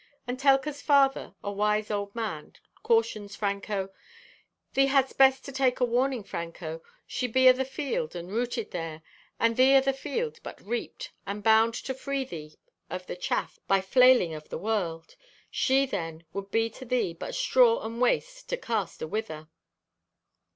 And Telka's father, a wise old man, cautions Franco: "Thee hadst best to take a warning, Franco. She be o' the field and rooted there; and thee o' the field, but reaped, and bound to free thee of the chaff by flailing of the world. She then would be to thee but straw and waste to cast awhither."